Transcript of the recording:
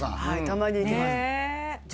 たまに行きます